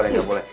nih nggak boleh